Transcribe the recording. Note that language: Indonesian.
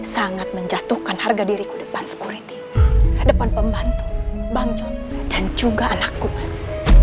sangat menjatuhkan harga diriku depan security ha depan pembantu bang john dan juga anakku mas